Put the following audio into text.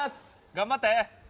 頑張って！